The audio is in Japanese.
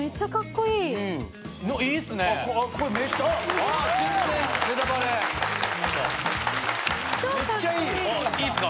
いいっすか？